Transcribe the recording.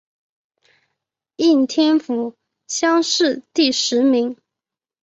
应天府乡试第十名。